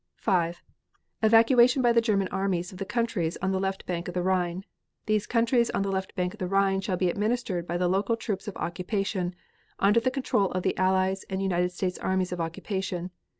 5. Evacuation by the German armies of the countries on the left bank of the Rhine. These countries on the left bank of the Rhine shall be administered by the local troops of occupation under the control of the Allied and United States armies of occupation.